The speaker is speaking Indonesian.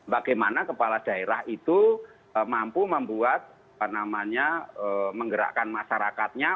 bagaimana kepala daerah itu mampu membuat menggerakkan masyarakatnya